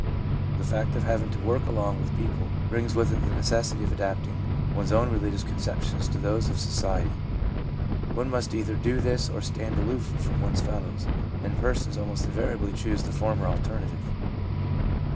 The fact of having to work along with people brings with it the necessity of adapting one's own religious conceptions to those of society. One must either do this or stand aloof from one's fellows, and persons almost invariably choose the former alternative.